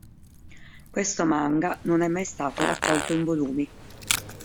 Questo manga non è mai stato raccolto in volumi.